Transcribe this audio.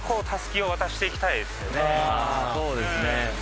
あそうですね。